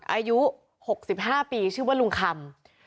อายุ๖๕ปีชื่อว่าลุงคำ